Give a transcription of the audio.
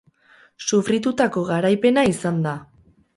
Sufritutako garaipena izan da.